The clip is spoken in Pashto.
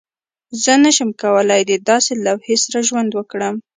زه نشم کولی د داسې لوحې سره ژوند وکړم